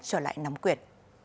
trở lại nắm quyệt